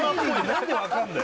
何で分かるんだよ？